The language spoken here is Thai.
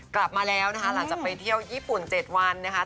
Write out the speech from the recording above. กลับมาแล้วนะคะหลังจากไปเที่ยวญี่ปุ่น๗วันนะคะ